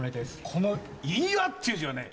この「岩」っていう字はね